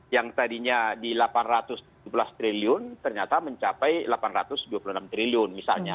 yang tadinya di rp delapan ratus tujuh belas triliun ternyata mencapai rp delapan ratus dua puluh enam triliun misalnya